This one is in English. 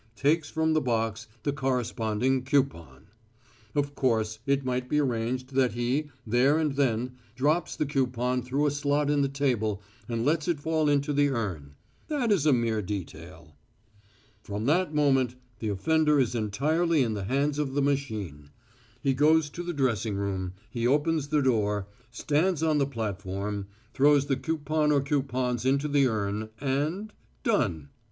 takes from the box the corresponding coupon. Of course, it might be arranged that he, there and then, drops the coupon through a slot in the table and lets it fall into the urn; that is a mere detail. "From that moment the offender is entirely in the hands of the machine. He goes to the dressing room, he opens the door, stands on the platform, throws the coupon or coupons into the urn, and ... done!